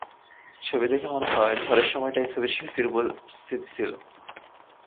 ছবি দেখে মনে হয়, ঝড়ের সময়টায় এই ছবির শিল্পী উপস্থিত ছিল।